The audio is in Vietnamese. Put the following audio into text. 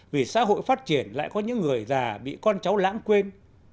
vì xã hội phát triển lại có những người già bị con cháu lãng quên